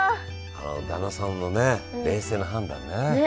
あの旦那さんのね冷静な判断ね。